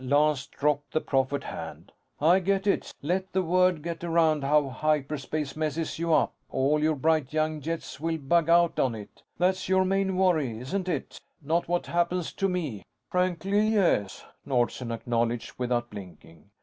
Lance dropped the proffered hand. "I get it. Let the word get around how hyperspace messes you up, all your bright young jets will bug out on it. That's your main worry, isn't it? Not what happens to me." "Frankly, yes," Nordsen acknowledged, without blinking.